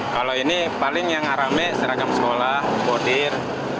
kalau ini paling yang rame seragam sekolah bodir